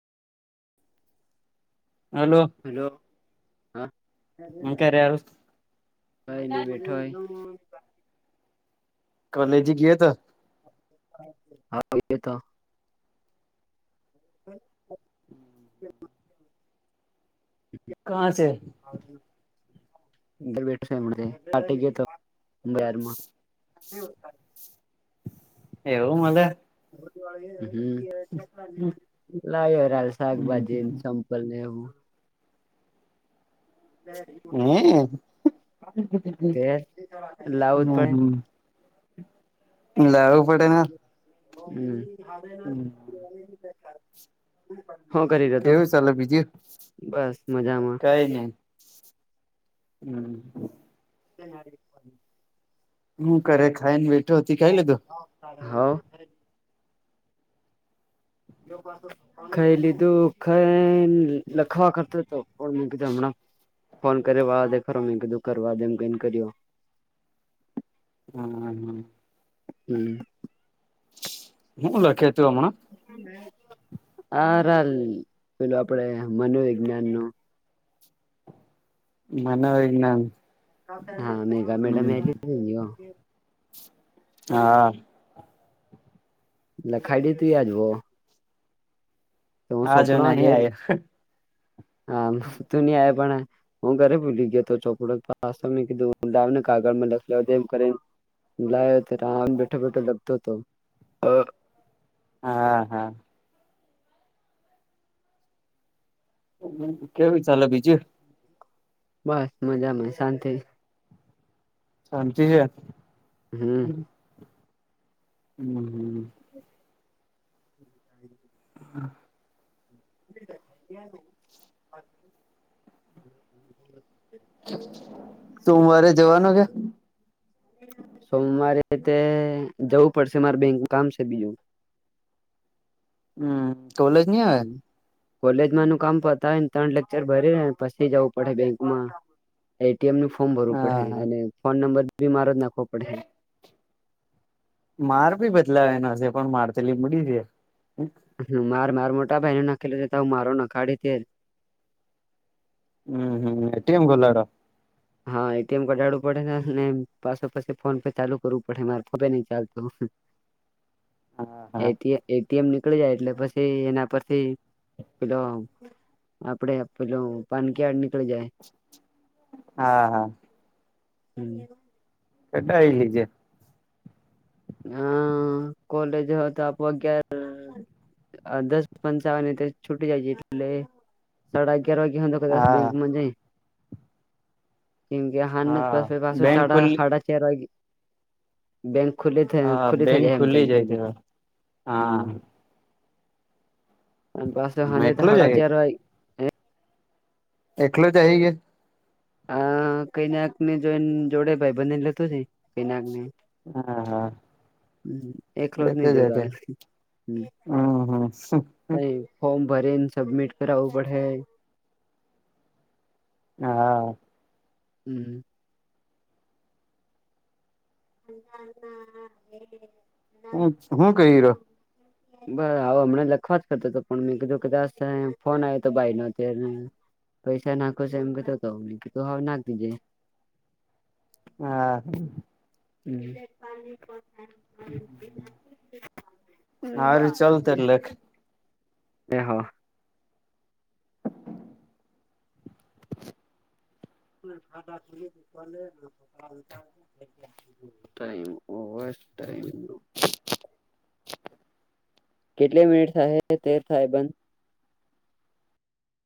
Hello hello હા હું કરે હાલ હય નઈ બેઠોય કોલેજ ગીએ તો હા ગ્યોતો [inaudible] કહા સે? ઘર બેઠો છે [unintelligible] [inaudible] એવું મળે હમ, હે લાયો રા શાકભાજી ન સમ પલ ને એવું. તે લાવું હમ જ પડે. હમ લાવવું પડે ને હમ. હમ હું કરીરો તું, કેવું ચાલે બીજું બસ મજામાં. કઈ ની હમ. તે નાગરિકપણું હું કરે ખાઈન બેઠો, તી ખાઈ લધું? હઓ. ખાઈ લીધું, ખાઈન લખવા કરતો તો. કોલ મુકીદે હમણાં. ફોન કરવા દે ખરો મેં કીધું કરવાદે એમ કરીન કર્યો. હમ, હમ. હમ. હું લખે તું હમણાં? ઓરલ પેલું આપડે મનોવિજ્ઞાન નું મનોવિજ્ઞાન હા, મેગા મેડમ હમ એ [unintelligible] હા. લખાદી તી આજ વો તો હું જો સોપડુ આ નહી ઘેર આયો આમ તું ની આવે પણે હું ઘરે ભુલી ગ્યોતો ચોપડા પાસ તો મેં કીધું લાવને કાગળમાં લખવાડે એમ કરીન લાયો તો આમ બેઠો બેઠો લખતો તો અ હા, હા. કેવું ચાાલે બીજું? બસ મજામાં, શાંતિ. શાંતિ છે. હમ. [inaudible] [inaudible] હા. [inaudible] સોમવારે જવાનો છે? સોમવારે તે જવું પડશે માર બેંકનુ કામ સે બીજું. હમ, કોલેજ ની આવે. કોલેજમાંનું કામ પતાઈન ત્રણ લેક્ચર ભરીને પછી જાવું પડે બેંકમાં. એટીએમ નું ફોર્મ ભરવું હા પડહે હા અને ફોન નંબર બી મારો જ નાખવો પડહે. માર ભી બદલાવેનો સે પણ માર તો લીબડી છે. હમ હ માર માર મોટા ભાઈનો નાખેલો છે તો મારો નખાડી તે હમ, હમ, હમ તેમ ગલડો. હા એટીએમ કઢાડવું પડેને અને પાછો પસી ફોન પે ચાલુ કરવું પડહે મારે ખબર નઈ નહી ચાલતું હશે. [inaudible] હા એટી એટીએમ નીકળી જાય એટલે પછી એના પરથી પેલો આપડે પેલું પાન કાર્ડ નીકળી જાય. હા હા. હમ્મ. એ તો અઈલી જે. હા કોલેજ હો તો આપ અગાર થયે. અ દસ પંચાવને તો છૂટી જાય છે એટલે સાડા અગિયાર વાગે તો દશ હા મિનિટ મા જઇ. કેમ કે હાનના હા પાસા પાસું બેંક ચાડા ખુલ્લી સાડા ચાર વાગે બેંક ખુલ્લી થઇ હા ખુલ્લી થઈ બેંક જાય એમ ખુલ્લી તે હા હમ્મ. અને પાસો હાજે તો એકલો હાડા જાય ચાર આઈ. એકલો જાય હે. આ કૈનાક ને જોને જોડે ભાઈ બનેને લેતો જઈ કૈનાકને. હા હા. હ એકલો જ લેતે નહી જતા જતે હમ્મ. હમ હમ તઈ ફોર્મ ભરીન સબમિટ કરાવવું પડે હે. હા. હમ્મ. [unintelligible] હ હું કહી રીહો. બ આવો હમણાં લખવા જ જતો હતો પણ મેં કીધું કે ફોન આવ્યો હતો ભાઈ નો પૈસા નાખો સો એમ કેતો તો. મે કીધું હાવ નાખ તીજે. હા. હમ્મ. ઇ હારું ચાલ તાર બાકી. લખ એ હા. [unintelligible] Time over time. કેટલી મિનિટ થાય તેર થાય બંધ.